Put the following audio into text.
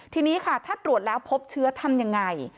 ทีนี้ค่ะถ้าตรวจแล้วพบเชื้อทำยังไง